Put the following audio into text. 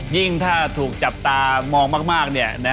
ยิ่งถ้าถูกจับตามองมาก